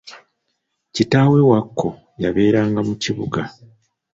Kitaawe waako, yabeeranga mu kibuga.